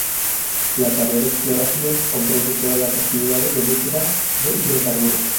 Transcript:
La tarea de exploración comprende todas las actividades de búsqueda de hidrocarburos.